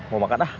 mau makan ah